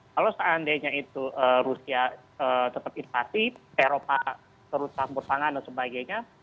kalau seandainya itu rusia tetap invasi eropa terus campur tangan dan sebagainya